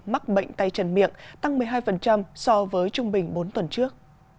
mắc bệnh tay trần miệng tăng một mươi hai so với trung bình bốn tuần trước